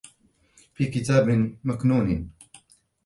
في كِتابٍ مَكنونٍ